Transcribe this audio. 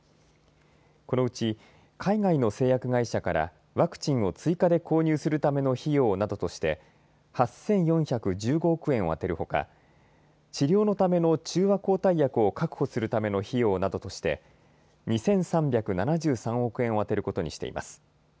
このうち海外の製薬会社からワクチンを追加で購入するための費用などとして８４１５億円を充てるほか治療のための中和抗体薬を確保するための費用などとして２３７３億円を充てることにしています。